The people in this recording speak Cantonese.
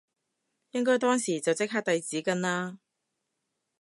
應該當時就即刻遞紙巾啦